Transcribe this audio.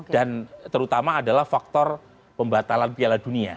dan terutama adalah faktor pembatalan piala dunia